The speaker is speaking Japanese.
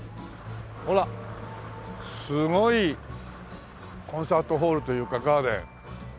ほらすごいコンサートホールというかガーデン。